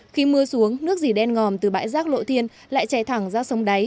khi mưa xuống nước dì đen ngòm từ bãi rác lộ thiên lại chè thẳng ra sông đáy